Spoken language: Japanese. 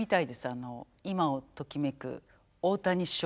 あの今をときめく難しい。